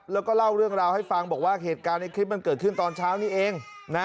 แล้วก็เล่าเรื่องราวให้ฟังบอกว่าเหตุการณ์ในคลิปมันเกิดขึ้นตอนเช้านี้เองนะ